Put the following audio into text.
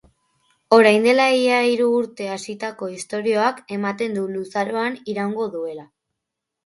Orain dela ia hiru urte hasitako istorioak ematen du luzaroan iraungo duela.